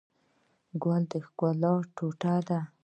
ګل د ښکلا ټوټه ده.